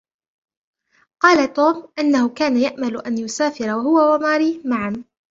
قال توم انه كان يأمل ان يسافر هو و ماري معا.